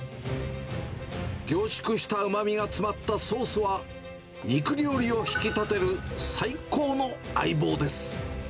凝縮したうまみが詰まったソースは、肉料理を引き立てる最高の相棒です。